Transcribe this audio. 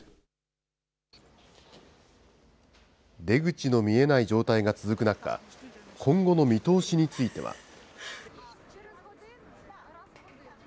出口の見えない状態が続く中、今後の見通しについては。